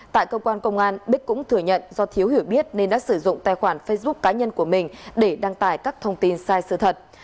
tại cơ quan công an bích cũng thừa nhận do thiếu hiểu biết nên đã sử dụng tài khoản facebook cá nhân của mình để đăng tải các thông tin sai sự thật